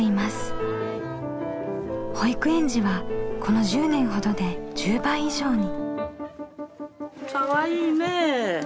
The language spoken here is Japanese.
保育園児はこの１０年ほどで１０倍以上に。